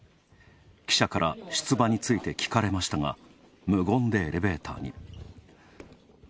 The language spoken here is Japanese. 記者から出馬について聞かれましたが無言でエレベーターに。